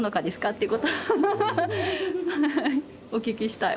っていうことをお聞きしたい。